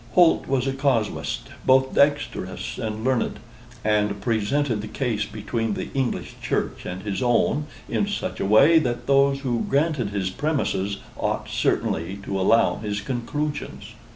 Holt was a casuist, both dexterous and learned, and presented the case between the English church and his own in such a way that those who granted his premises ought certainly to allow his conclusions.